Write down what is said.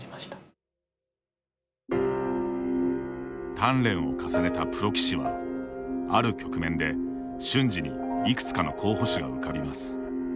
鍛錬を重ねたプロ棋士はある局面で瞬時にいくつかの候補手が浮かびます。